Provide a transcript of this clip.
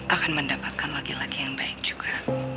akan mendapatkan laki laki yang baik juga